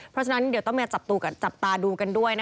เพราะฉะนั้นเดี๋ยวต้องมาจับตาดูกันด้วย